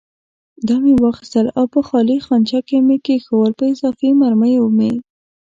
دا مې واخیستل او په خالي خانچه کې مې کېښوول، په اضافي مرمیو مې.